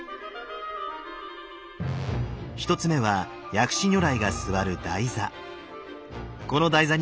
１つ目は薬師如来が座る台座。